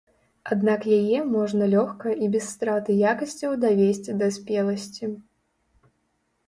Аднак яе можна лёгка і без страты якасцяў давесці да спеласці.